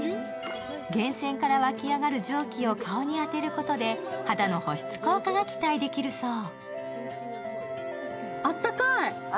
源泉から湧き上がる蒸気を顔に当てることで肌の保湿効果が期待できるそう。